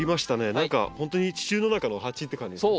何かほんとに地中の中の鉢って感じですね。